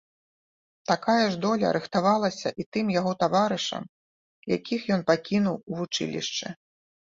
Такая ж доля рыхтавалася і тым яго таварышам, якіх ён пакінуў у вучылішчы.